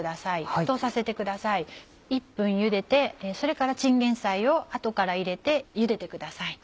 沸騰させてください１分ゆでてそれからチンゲンサイを後から入れてゆでてください。